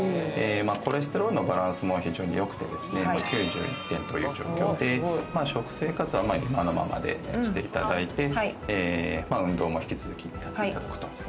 コレステロールのバランスも非常によくてですね、９１点という状況で、食生活は今のままでしていただいて、運動も引き続きやっていただくと。